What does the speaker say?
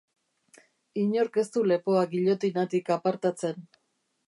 Inork ez du lepoa gillotinatik apartatzen.